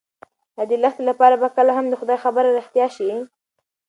ایا د لښتې لپاره به کله هم د خدای خبره رښتیا شي؟